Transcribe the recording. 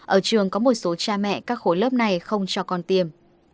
ở trường có một số cha mẹ các khối lớp này không cho con tiêm